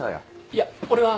いや俺は。